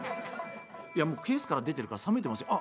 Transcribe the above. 「いやもうケースから出てるから冷めてますよ」。